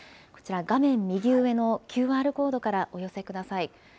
こちら、画面右上のＱＲコードからお寄せください。